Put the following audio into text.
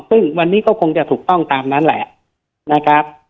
ซึ่งวันนี้ก็คงจะถูกต้องตามนั้นแหละนะครับ